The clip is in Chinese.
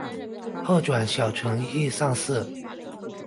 后转小承御上士。